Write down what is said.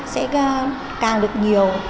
sẽ càng được nhiều